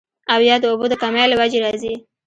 او يا د اوبو د کمۍ له وجې راځي